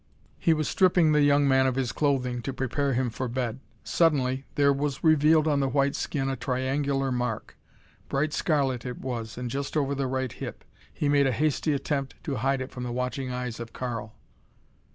He was stripping the young man of his clothing to prepare him for bed. Suddenly there was revealed on the white skin a triangular mark. Bright scarlet it was and just over the right hip. He made a hasty attempt to hide it from the watching eyes of Karl.